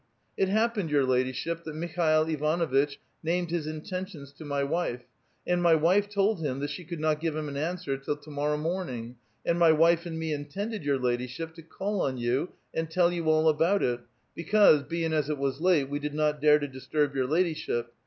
"*' It hapiHiied, your ladyship, that Mikhail Ivanuitch named his intentious to uiv wife, and mv wile told him that she eouid not give hiui an auswer till to morry mornin*, and my wile and me intended, your ladyship, to call on you and tell you all about it, because, bein' as it was late, we did not dare to disturb your ladysliip.